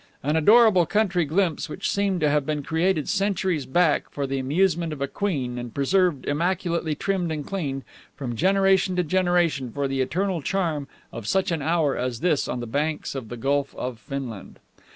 An adorable country glimpse which seemed to have been created centuries back for the amusement of a queen and preserved, immaculately trimmed and cleaned, from generation to generation, for the eternal charm of such an hour as this on the banks of the Gulf of Finland.